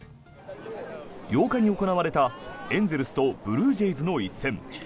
８日に行われたエンゼルスとブルージェイズの一戦。